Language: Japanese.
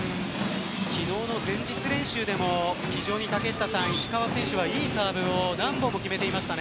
昨日の前日練習でも非常に石川選手はいいサーブを何本も決めていましたね。